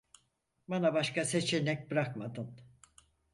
Bana başka seçenek bırakmadın.